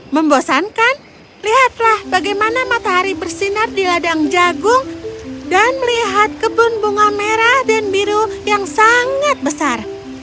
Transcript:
membosankan lihatlah bagaimana matahari bersinar di ladang jagung dan melihat kebun bunga merah dan biru yang sangat besar